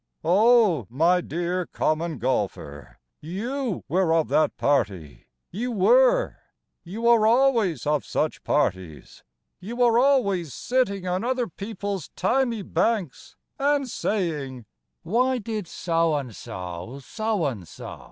O, my dear Common Golfer, You were of that party; You were; You are always of such parties, You are always sitting On other people's thymy banks, And saying, "Why did So and so so and so?"